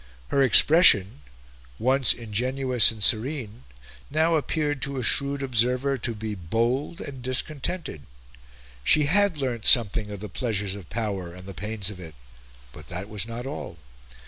Her expression, once "ingenuous and serene," now appeared to a shrewd observer to be "bold and discontented." She had learnt something of the pleasures of power and the pains of it; but that was not all.